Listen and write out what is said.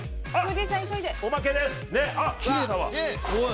おまけです。